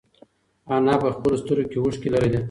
انا په خپلو سترگو کې اوښکې لرلې.